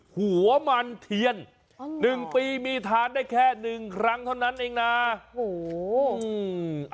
หัวมันเทียนหนึ่งปีมีทานได้แค่หนึ่งครั้งเท่านั้นเองนะโอ้โหอืม